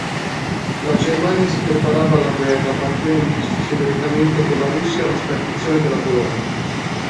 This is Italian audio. La Germania si preparava alla guerra pattuendo segretamente con la Russia la spartizione della Polonia.